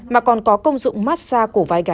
mà còn có công dụng massage của vai gái khi cần